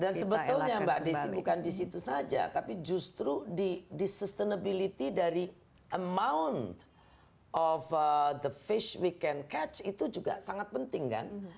dan sebetulnya mbak desy bukan di situ saja tapi justru di sustainability dari amount of the fish we can catch itu juga sangat penting kan